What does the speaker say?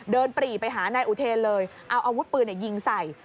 ปรีไปหานายอุเทนเลยเอาอาวุธปืนยิงใส่